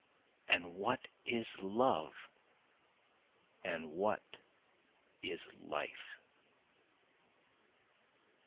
and what is love? and what is life?